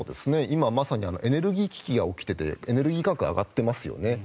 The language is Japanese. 今まさにエネルギー危機が起きててエネルギー価格が上がってますよね。